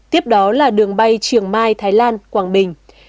tiếp đó là đường bay triều mai thái lan quảng bình